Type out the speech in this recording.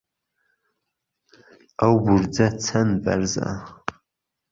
ئەو بورجە چەند بەرزە؟